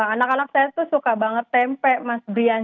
anak anak saya tuh suka banget tempe mas brian